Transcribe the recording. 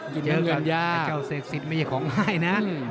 เจอกันเจ้าเศรษฐศิลป์ไม่ใช่ของง่ายนะ